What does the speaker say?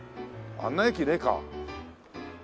あんな駅ねえか。